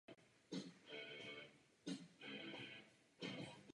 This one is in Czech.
Následně byl stažen z aktivní služby a využíván propagandou.